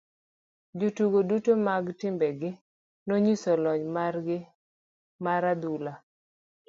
Jotugo duto mag timbe gi nonyiso lony mar gi mar adhula.